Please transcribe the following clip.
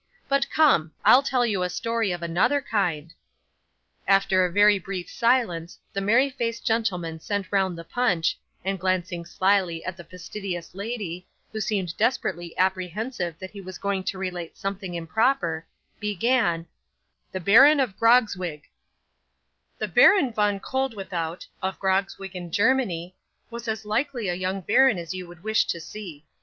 But come! I'll tell you a story of another kind.' After a very brief silence, the merry faced gentleman sent round the punch, and glancing slyly at the fastidious lady, who seemed desperately apprehensive that he was going to relate something improper, began THE BARON OF GROGZWIG 'The Baron Von Koeldwethout, of Grogzwig in Germany, was as likely a young baron as you would wish to see.